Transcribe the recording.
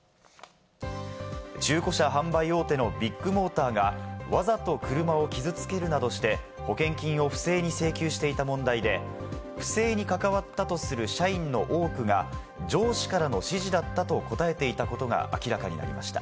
中古車販売大手のビッグモーターがわざと車を傷つけるなどして、保険金を不正に請求していた問題で、不正に関わったとする社員の多くが上司からの指示だったと答えていたことが明らかになりました。